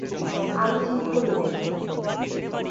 আমি ঠিক করি নাই।